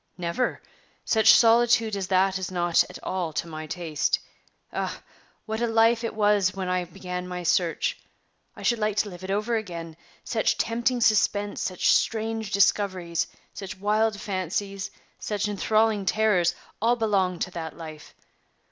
"Never! such solitude as that is not at all to my taste." "Ah! what a life it was when I began my search. I should like to live it over again. Such tempting suspense, such strange discoveries, such wild fancies, such inthralling terrors, all belonged to that life.